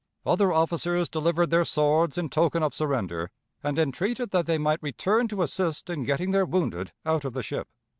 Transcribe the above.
Other officers delivered their swords in token of surrender, and entreated that they might return to assist in getting their wounded out of the ship.